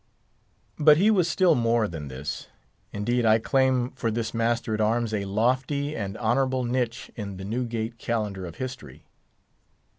But he was still more than this. Indeed, I claim for this master at arms a lofty and honourable niche in the Newgate Calendar of history.